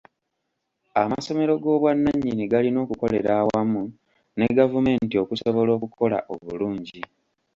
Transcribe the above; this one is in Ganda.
Amasomero g'obwannannyini galina okukolera awamu ne gavumenti okusobola okukola obulungi